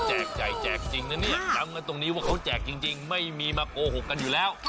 แจกจริงนะเนี่ยย้ำกันตรงนี้ว่าเขาแจกจริงไม่มีมาโกหกกันอยู่แล้ว